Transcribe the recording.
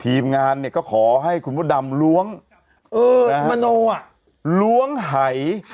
ทีมงานเนี่ยก็ขอให้คุณมดดำล้วงเออมโนอ่ะล้วงไห่